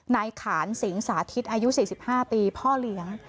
นายขานสิงสาธิตอายุ๔๕ปีพ่อเลี้ยง